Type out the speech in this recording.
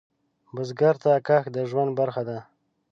بزګر ته کښت د ژوند برخه ده